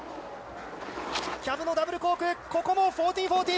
キャブのダブルコーク、ここも１４４０。